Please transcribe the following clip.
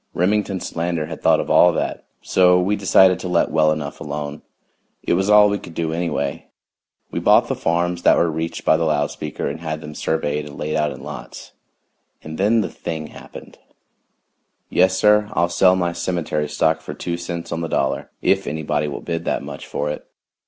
Remington Solander had thought of all that. So we decided to let well enough alone it was all we could do anyway. We bought the farms that were reached by the loud speaker and had them surveyed and laid out in lots and then the thing happened! Yes, sir, I'll sell my cemetery stock for two cents on the dollar, if anybody will bid that much for it.